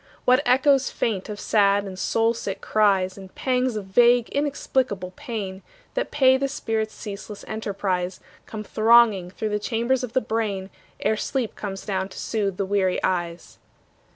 What echoes faint of sad and soul sick cries, And pangs of vague inexplicable pain That pay the spirit's ceaseless enterprise, Come thronging through the chambers of the brain Ere sleep comes down to soothe the weary eyes.